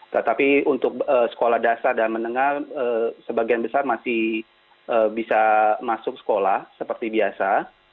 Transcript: tetapi untuk sekolah dasar dan menengah sebagian besar masih bisa masuk sekolah seperti biasa